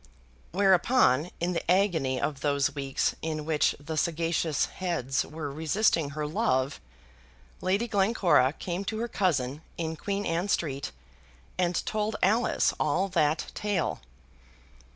Whereupon in the agony of those weeks in which the sagacious heads were resisting her love, Lady Glencora came to her cousin in Queen Anne Street, and told Alice all that tale.